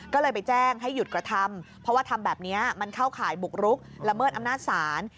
ก็เลยไปแจ้งให้หยุดกระทำเพราะว่าทำแบบนี้มันเข้าข่ายบุกรุกละเมิดอำนาจศาล